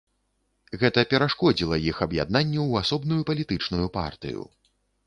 Гэта перашкодзіла іх аб'яднанню ў асобную палітычную партыю.